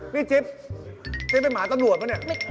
นี่จิ๊บจิ๊บเป็นหมาต้นรวดหรือเปล่านี่